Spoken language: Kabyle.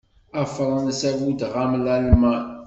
A Fransa buddeɣ-am Lalman.